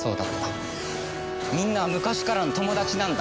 みんなは昔からの友達なんだ。